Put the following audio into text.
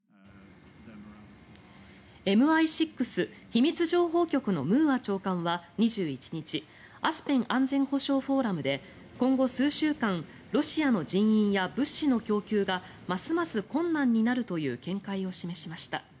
ＭＩ６・秘密情報局のムーア長官は２１日アスペン安全保障フォーラムで今後数週間ロシアの人員や物資の供給がますます困難になるという見解を示しました。